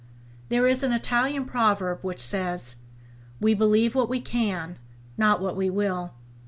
There is an Italian proverb which says: "We believe what we can, not what we will".